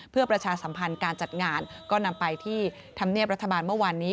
เพื่อประชาสัมพันธ์การจัดงานก็นำไปที่ธรรมเนียบรัฐบาลเมื่อวานนี้